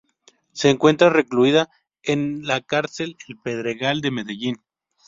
Se encuentra recluida en la cárcel El Pedregal de Medellín.